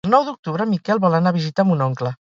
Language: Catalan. El nou d'octubre en Miquel vol anar a visitar mon oncle.